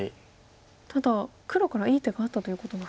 ただ黒からいい手があったということなんですかね。